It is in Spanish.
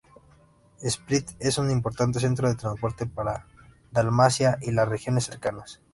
Split es un importante centro de transporte para Dalmacia y las regiones cercanas.